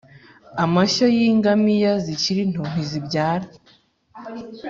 Amashyo y ingamiya zikiri nto ntizibyara